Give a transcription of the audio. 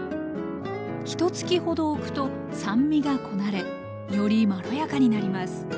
ひとつきほどおくと酸味がこなれよりまろやかになります。